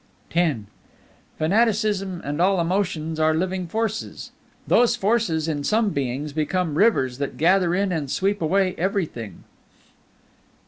X Fanaticism and all emotions are living forces. These forces in some beings become rivers that gather in and sweep away everything.